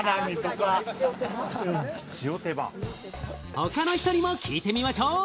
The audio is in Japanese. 他の人にも聞いてみましょう。